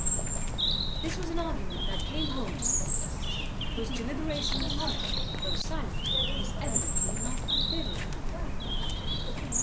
This was an argument that came home to Cecilia, whose deliberation upon it, though silent, was evidently not unfavourable.